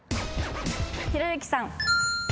ひろゆきさん。